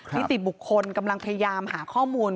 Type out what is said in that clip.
นิติบุคคลกำลังพยายามหาข้อมูล